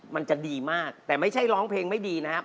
มันจะดีมากแต่ไม่ใช่ร้องเพลงไม่ดีนะครับ